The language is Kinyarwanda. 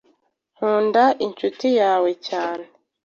Nkunda inshuti yawe cyane.